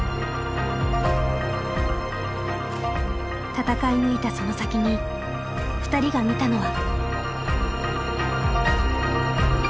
戦い抜いたその先にふたりが見たのは。